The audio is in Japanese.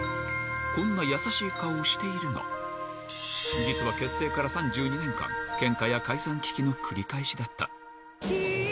こんな優しい顔をしているが、実は結成から３２年間、けんかや解散危機の繰り返しだった。